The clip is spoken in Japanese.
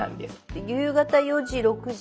夕方４時６時？